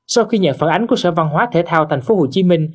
sau khi nhận phản ánh của sở văn hóa thể thao tp hcm